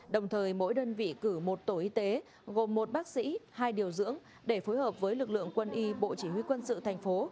đồng thời mỗi đơn vị cử một tổ y tế gồm một bác sĩ hai điều dưỡng để phối hợp với lực lượng quân y bộ chỉ huy quân sự thành phố